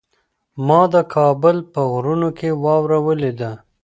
ما د کابل په غرونو کې واوره ولیده.